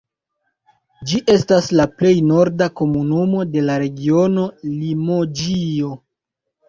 Ĝi estas la plej norda komunumo de la regiono Limoĝio.